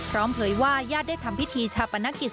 พร้อมเผยว่าญาติได้ทำพิธีชะปนักกิจ